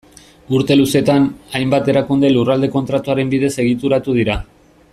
Urte luzetan, hainbat erakunde Lurralde Kontratuaren bidez egituratu dira.